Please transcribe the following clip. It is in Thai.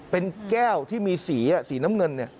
เป็นแก้วที่มีสีสีน้ำเงิน